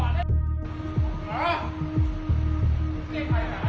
สวัสดีครับ